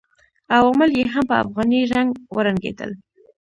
عوامل یې هم په افغاني رنګ ورنګېدل.